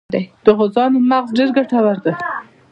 د غوزانو مغز ډیر ګټور دی.